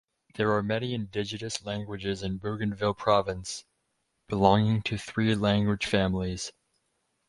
There are many indigenous languages in Bougainville Province, belonging to three language families.